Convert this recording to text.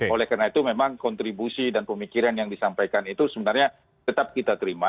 oleh karena itu memang kontribusi dan pemikiran yang disampaikan itu sebenarnya tetap kita terima